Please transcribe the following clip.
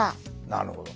なるほど。